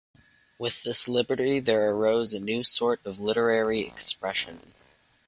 With this liberty there arose a new sort of literary expression.